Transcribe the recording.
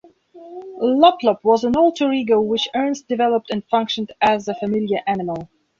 Loplop was an alter ego which Ernst developed and functioned as a familiar animal.